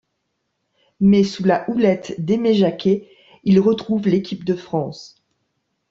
Mais sous la houlette d'Aimé Jacquet, il retrouve l'Équipe de France.